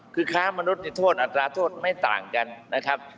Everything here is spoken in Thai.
คือค้ามนุษย์โทษอัตราโทษไม่ต่างกันนะครับ